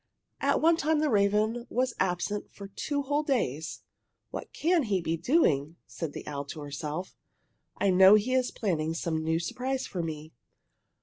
At one time the raven was absent for two whole days. "What can he be doing?" said the owl to herself. "I know he is planning some new surprise for me."